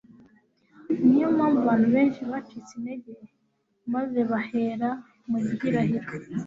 Ni yo mpamvu abantu benshi bacitse intege, maze bahera mu gihirahiro.